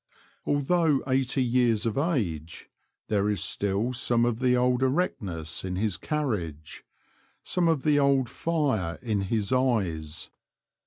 Although eighty years of age there is still some of the old erectness in his carriage ; some of the old fire in his eyes.